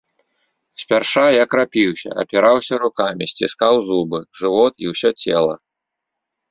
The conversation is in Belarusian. Спярша я крапіўся, апіраўся рукамі, сціскаў зубы, жывот і ўсё цела.